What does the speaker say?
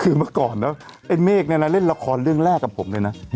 คือเมื่อก่อนนะไอ้เมฆเนี่ยนะเล่นละครเรื่องแรกกับผมเลยนะ